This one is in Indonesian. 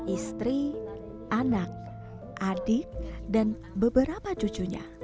istri anak adik dan beberapa cucunya